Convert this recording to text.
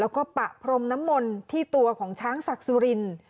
แล้วก็ปะพรมน้ำมนต์ที่ตัวของช้างศักดิ์สุรินทร์